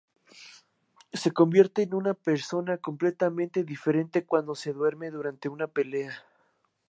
Se convierte en una persona completamente diferente cuando se duerme durante una pelea.